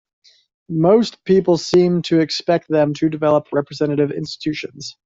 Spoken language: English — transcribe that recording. Most people seemed to expect them to develop representative institutions.